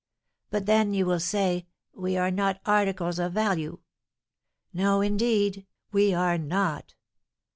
But then, you will say, we are not articles of value; no, indeed, we are not.